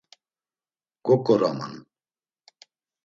Goǩoraman…